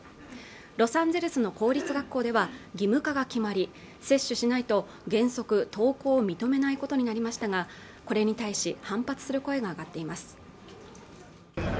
ロサンゼルスの公立学校では義務化が決まり接種しないと原則登校を認めないことになりましたがこれに対し反発する声が上がっています